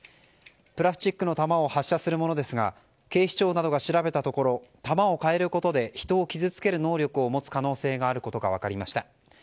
プラスチックの弾を発射するものですが警視庁などが調べたところ弾を変えることで人を傷つける能力を持つ可能性があることが分かりました。